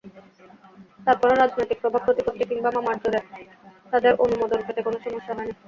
তারপরও রাজনৈতিক প্রভাব–প্রতিপত্তি কিংবা মামার জোরে তাদের অনুমোদন পেতে কোনো সমস্যা হয়নি।